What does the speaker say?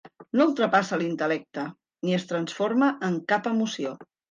No ultrapassa l'intel·lecte ni es transforma en cap emoció.